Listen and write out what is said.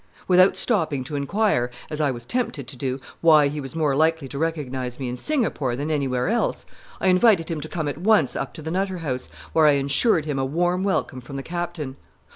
Without stopping to inquire, as I was tempted to do, why he was more likely to recognize me in Singapore than anywhere else, I invited him to come at once up to the Nutter House, where I insured him a warm welcome from the Captain.